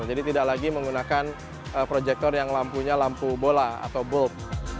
jadi tidak lagi menggunakan proyektor yang lampunya lampu bola atau bulb